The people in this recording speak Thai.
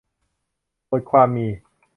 บทความมี